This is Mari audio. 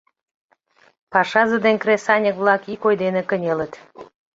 Пашазе ден кресаньык-влак ик ой дене кынелыт.